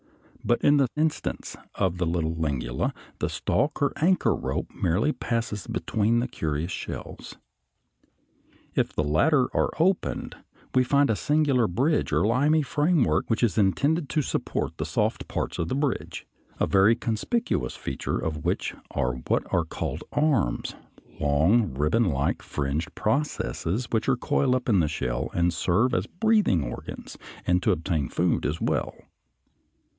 But in the instance of the little Lingula the stalk or anchor rope merely passes between the curious shells. If the latter are opened, we find a singular bridge or limy framework which is intended to support the soft parts of the bridge, a very conspicuous feature of which are what are called arms, long, ribbonlike, fringed processes (a) which are coiled up in the shell and serve as breathing organs and to obtain food as well.